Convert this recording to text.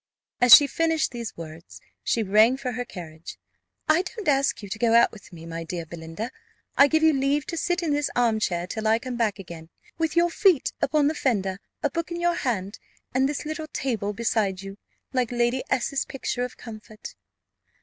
As she finished these words, she rang for her carriage. "I don't ask you to go out with me, my dear Belinda; I give you leave to sit in this armchair till I come back again, with your feet upon the fender, a book in your hand, and this little table beside you, like Lady S.'s picture of Comfort."